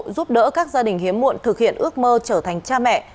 giúp đỡ các gia đình hiếm muộn thực hiện ước mơ trở thành cha mẹ